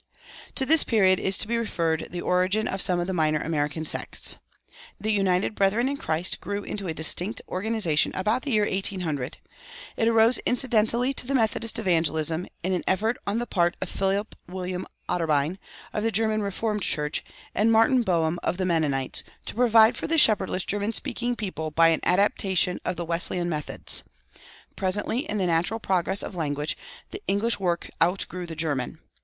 To this period is to be referred the origin of some of the minor American sects. The "United Brethren in Christ" grew into a distinct organization about the year 1800. It arose incidentally to the Methodist evangelism, in an effort on the part of Philip William Otterbein, of the German Reformed Church, and Martin Boehm, of the Mennonites, to provide for the shepherdless German speaking people by an adaptation of the Wesleyan methods. Presently, in the natural progress of language, the English work outgrew the German.